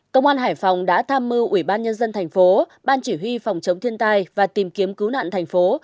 công an hải phòng đã tham mưu ủy ban nhân dân thành phố ban chỉ huy phòng chống thiên tai và tìm kiếm cứu nạn thành phố